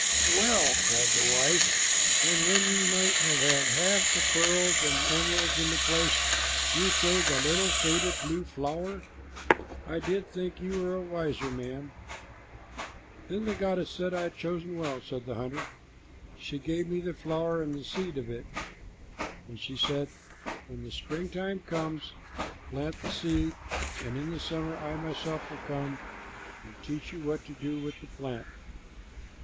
'" "Well!" cried the wife, "and when you might have had half the pearls and emeralds in the place, you chose a little faded blue flower! I did think you were a wiser man." "The goddess said I had chosen well," said the hunter. "She gave me the flower and the seed of it, and she said, 'When the springtime comes, plant the seed, and in the summer I myself will come and teach you what to do with the plant.'"